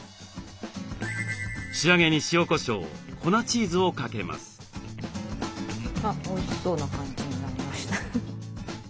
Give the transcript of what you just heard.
仕上げに塩こしょう粉チーズをかけます。